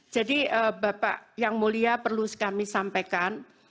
jadi bapak yang mulia perlu kami sampaikan